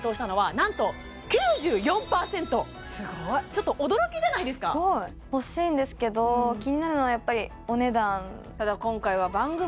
ちょっと驚きじゃないですか欲しいんですけど気になるのはやっぱりお値段ただ